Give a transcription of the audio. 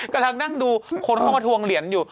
กำลังนั่งดูคนเข้ามาทวงเหรียญอยู่